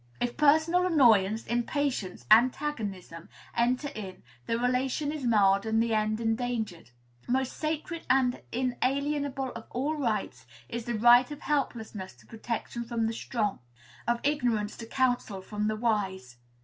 If personal annoyance, impatience, antagonism enter in, the relation is marred and the end endangered. Most sacred and inalienable of all rights is the right of helplessness to protection from the strong, of ignorance to counsel from the wise.